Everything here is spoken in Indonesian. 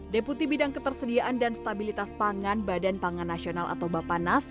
deputi bidang ketersediaan dan stabilitas pangan badan pangan nasional atau bapanas